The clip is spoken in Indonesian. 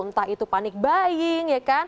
entah itu panik buying ya kan